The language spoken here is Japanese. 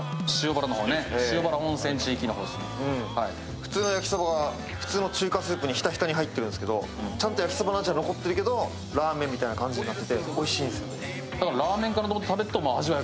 普通の焼きそばは普通の中華スープにひたひたに入ってるんですけどちゃんと焼きそばの味は残ってるけど、ラーメンみたいな味になってておいしいです。